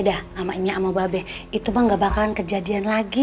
dah namanya sama babe itu mah gak bakalan kejadian lagi